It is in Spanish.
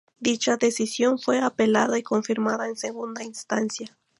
Dicha decisión fue apelada y confirmada en segunda instancia.